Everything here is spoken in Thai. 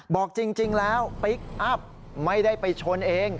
บอกจริงแล้วพลิกอัพไม่ได้ไปชนเอง